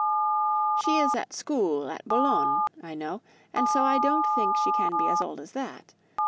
"She is at school at Boulogne, I know; and so I don't think she can be as old as that.